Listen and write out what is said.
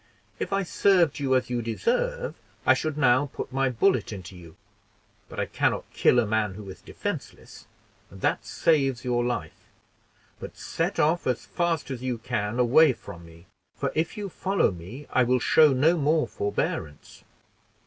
If I served you as you deserve, I should now put my bullet into you; but I can not kill a man who is defenseless and that saves your life; but set off as fast as you can away from me, for if you follow me I will show no more forbearance.